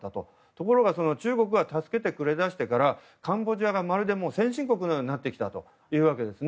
ところが中国が助け出してくれてからカンボジアがまるで先進国のようになってきたというわけです。